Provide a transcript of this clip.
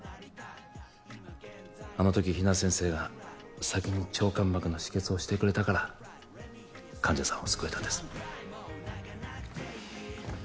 あの時比奈先生が先に腸間膜の止血をしてくれたから患者さんを救えたんです